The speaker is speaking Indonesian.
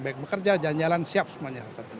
baik bekerja jalan jalan siap semuanya